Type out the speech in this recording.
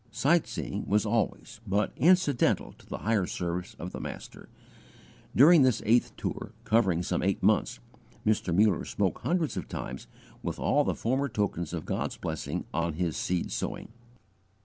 Sightseeing was always but incidental to the higher service of the Master. During this eighth tour, covering some eight months, Mr. Muller spoke hundreds of times, with all the former tokens of God's blessing on his seed sowing.